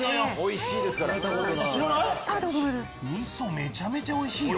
めちゃめちゃおいしいよ。